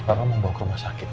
papa mau bawa ke rumah sakit